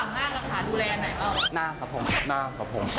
คุณสั่งหน้ากับขาดูแลอันไหนบ้าง